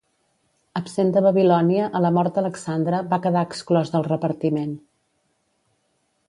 Absent de Babilònia a la mort d'Alexandre, va quedar exclòs del repartiment.